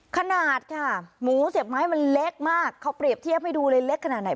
ขนาดค่ะหมูเสียบไม้มันเล็กมากเขาเปรียบเทียบให้ดูเลยเล็กขนาดไหน